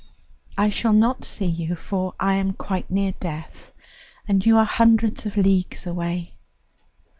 I shall not see you, for I am quite near death, and you are hundreds of leagues away.